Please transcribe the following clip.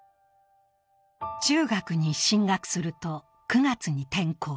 中学に進学すると、９月に転校。